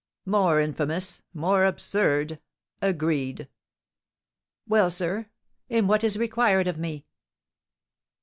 "More infamous! more absurd! agreed." "Well, sir, and what is required of me?"